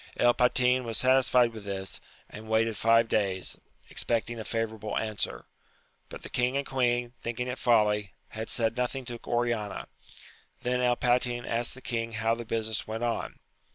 El Patin was satisfied with this, and waited five days, expecting a favourable answer; but the king and queen, thinking it folly, had said nothing to Oriana. Then El Patin asked the king how the busi ness went on.